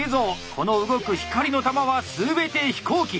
この動く光の玉は全て飛行機。